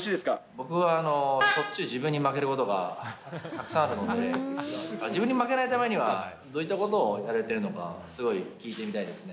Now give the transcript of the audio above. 僕はしょっちゅう自分に負けることがたくさんあるので、自分に負けないためには、どういったことをやられてるのかすごい聞いてみたいですね。